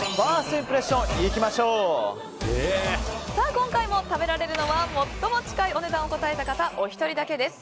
今回も食べられるのは最も近いお値段を答えた方お一人だけです。